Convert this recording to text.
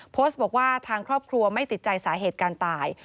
โพสต์บอกว่าทางครอบครัวไม่ติดใจสาเหตุการตาย